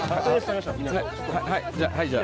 はいじゃあ。